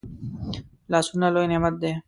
لاسونه لوي نعمت دی